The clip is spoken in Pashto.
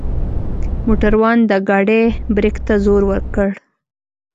موټروان د ګاډۍ برک ته زور وکړ.